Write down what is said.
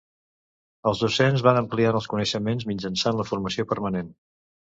Els docents van ampliant els coneixements mitjançant la formació permanent.